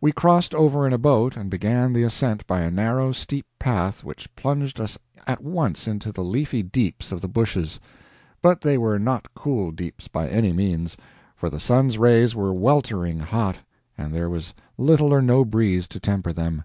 We crossed over in a boat and began the ascent by a narrow, steep path which plunged us at once into the leafy deeps of the bushes. But they were not cool deeps by any means, for the sun's rays were weltering hot and there was little or no breeze to temper them.